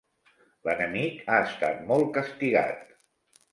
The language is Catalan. L'enemic ha estat molt castigat.